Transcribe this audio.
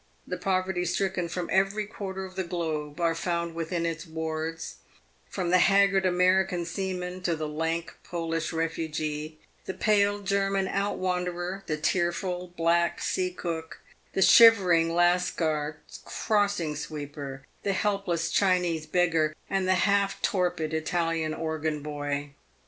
The po verty stricken from every quarter of the globe are found within its wards ;' from the haggard American seaman to the lank Polish refugee, the pale German " out wanderer," the tearful black sea cook, the shivering Lascar crossing sweeper, the helpless Chinese beggar, and the half torpid Italian organ boy.